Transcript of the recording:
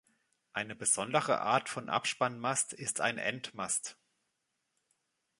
Eine besondere Art von Abspannmast ist ein Endmast.